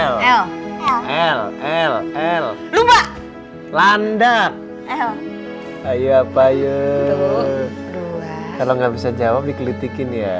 l l l l l landa ayo apa yuk kalau nggak bisa jawab dikritikin ya